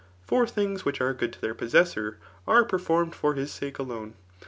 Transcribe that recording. . For things which are good to their possessor, are performed for his sake [alone.